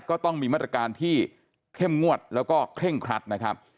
ก็ต้องมีมาตรการที่เข้มงวดแล้วก็เคร่งครัดนะครับ